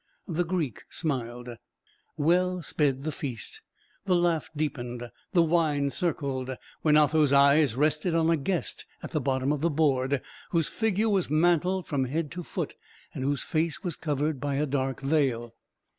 The Greek smiled. Well sped the feast, the laugh deepened, the wine circled, when Otho's eye rested on a guest at the bottom of the board, whose figure was mantled from head to foot, and whose face was covered by a dark veil.